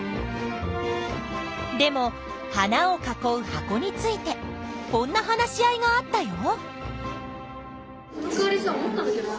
でも花を囲う箱についてこんな話し合いがあったよ。